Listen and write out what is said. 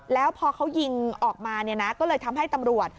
แล้วพอเขายิงออกมาเนี่ยนะก็เลยทำให้ตำรวจ